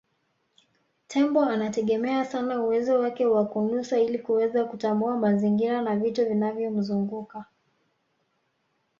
Tembo anategemea sana uwezo wake wa kunusa ili kuweza kutambua mazingira na vitu vinavyomzunguka